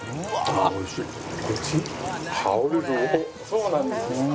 そうなんです。